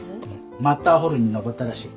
マッターホルンに登ったらしい。